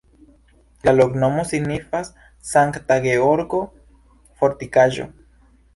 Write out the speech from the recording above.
La loknomo signifas Sankta Georgo-fortikaĵo.